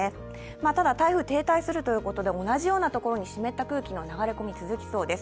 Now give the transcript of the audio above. ただ、台風は停滞するということで同じような所で湿った空気の流れ込み、続きそうです。